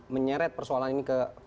menyeret persoalan ini ke